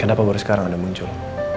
kenapa baru sekarang udah muncul